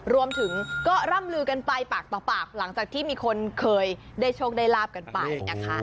รวมถึงก็ร่ำลือกันไปปากต่อปากหลังจากที่มีคนเคยได้โชคได้ลาบกันไปนะคะ